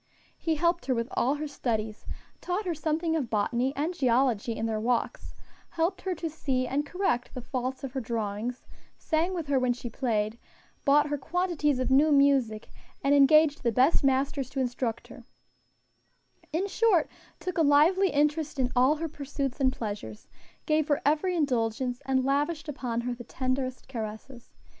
He helped her with all her studies, taught her something of botany and geology in their walks, helped her to see and correct the faults of her drawings, sang with her when she played, bought her quantities of new music, and engaged the best masters to instruct her in short, took a lively interest in all her pursuits and pleasures, gave her every indulgence, and lavished upon her the tenderest caresses.